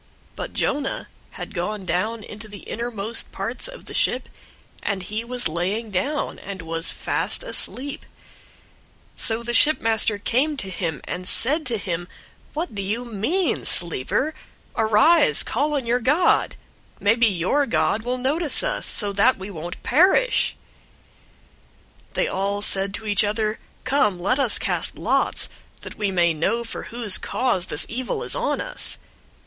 But Jonah had gone down into the innermost parts of the ship, and he was laying down, and was fast asleep. 001:006 So the shipmaster came to him, and said to him, "What do you mean, sleeper? Arise, call on your God{or, gods}! Maybe your God{or, gods} will notice us, so that we won't perish." 001:007 They all said to each other, "Come, let us cast lots, that we may know for whose cause this evil is on us."